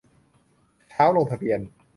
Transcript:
เช้าลงทะเบียน